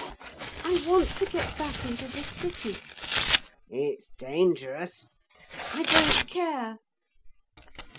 'I want to get back into the city.' 'It's dangerous.' 'I don't care.'